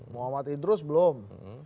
muhammad idrus belum